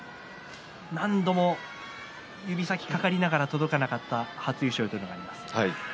何度も指先に掛かりながら届かなかった初優勝というものもあります。